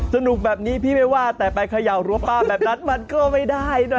สนุกแบบนี้พี่ไม่ว่าแต่ไปเขย่ารั้วป้าแบบนั้นมันก็ไม่ได้นะ